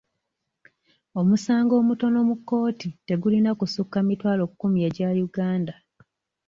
Omusango omutono mu kkooti tegulina kusukka mitwalo kkumi egya Uganda.